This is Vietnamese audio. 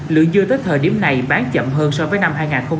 lượng dưa tới thời điểm này bán chậm hơn so với năm hai nghìn một mươi tám